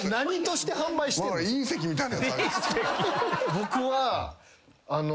僕は。